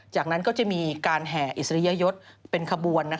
จากนั้นก็จะมีการแห่อิสริยยศเป็นขบวน